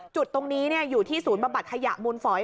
จุดตรงนี้อยู่ที่ศูนย์บำบัดขยะมูลฝอย